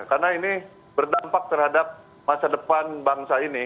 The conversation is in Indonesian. karena ini berdampak terhadap masa depan bangsa ini